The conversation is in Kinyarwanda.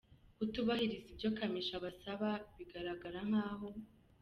Kutubahiriza ibyo Kamichi abasaba bigaragara nkaho.